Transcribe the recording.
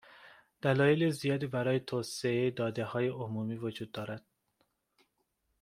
دلایل زیادی برای توسعه دادههای عمومی وجود دارد